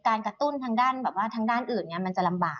การกระตุ้นทางด้านอื่นจะลำบาก